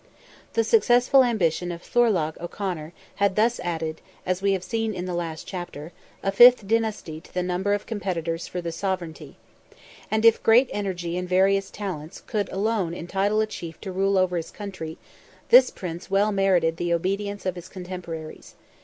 The successful ambition of Thorlogh O'Conor had thus added, as we have seen in the last chapter, a fifth dynasty to the number of competitors for the sovereignty. And if great energy and various talents could alone entitle a chief to rule over his country, this Prince well merited the obedience of his cotemporaries.